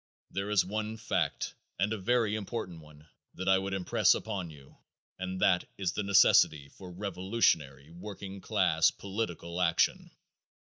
There is one fact, and a very important one, that I would impress upon you, and that is the necessity for revolutionary working class political action.